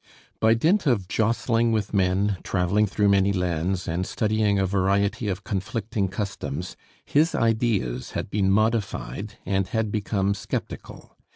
By dint of jostling with men, travelling through many lands, and studying a variety of conflicting customs, his ideas had been modified and had become sceptical.